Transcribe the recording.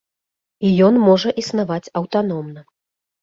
І ён можа існаваць аўтаномна.